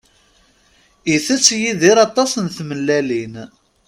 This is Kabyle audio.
Itett Yidir aṭas n tmellalin.